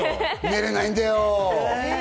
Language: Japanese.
寝られないんだよ。